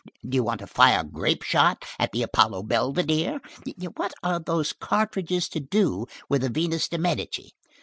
Do you want to fire grape shot at the Apollo Belvedere? What have those cartridges to do with the Venus de Medici?